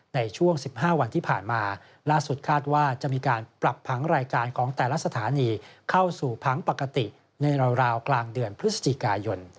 ในช่วง๑๕วันที่ผ่านมาล่าสุดคาดว่าจะมีการปรับผังรายการของแต่ละสถานีเข้าสู่พังปกติในราวกลางเดือนพฤศจิกายน